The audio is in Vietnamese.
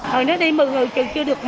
hồi nãy đi một người chợ chưa được một